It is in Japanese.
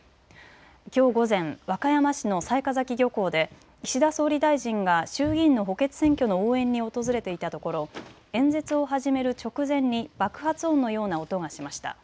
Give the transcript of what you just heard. きょう午前、和歌山市の雑賀崎漁港で岸田総理大臣が衆議院の補欠選挙の応援に訪れていたところ、演説を始める直前に爆発音のような音がしました。